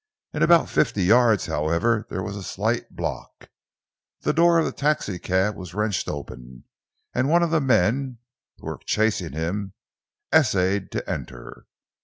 In about fifty yards, however, there was a slight block. The door of the taxicab was wrenched open, and one of the men who were chasing him essayed to enter.